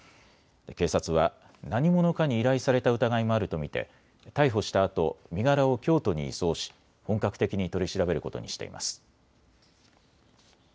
警察は何者かに依頼された疑いもあると見て逮捕したあと、身柄を京都に移送し本格的に取り調べることにしています。